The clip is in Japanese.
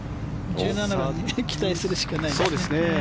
１７番に期待するしかないね。